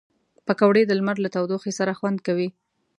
پکورې د لمر له تودوخې سره خوند کوي